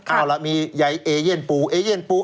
เอาละมีใหญ่เอเย่นปู่